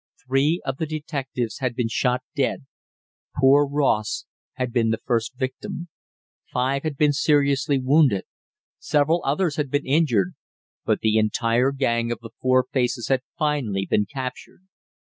Three of the detectives had been shot dead poor Ross had been the first victim. Five had been seriously wounded. Several others had been injured. But the entire gang of The Four Faces had finally been captured.